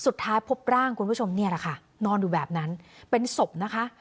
สุดท้ายพบร่างคุณผู้ชมนี่แหละค่ะนอนอยู่แบบนั้นเป็นศพนะคะ